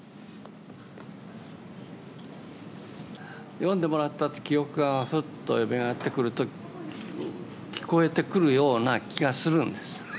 読んでもらった記憶がふっとよみがえってくると聞こえてくるような気がするんです。